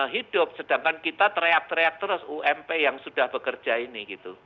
hidup sedangkan kita teriak teriak terus ump yang sudah bekerja ini gitu